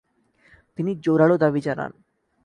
তিনি জোরালো দাবি জানান।